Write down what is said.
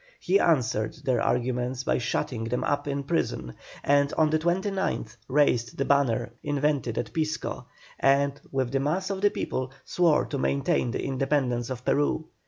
He answered their arguments by shutting them up in prison, and on the 29th raised the banner invented at Pisco, and, with the mass of the people, swore to maintain the independence of Peru.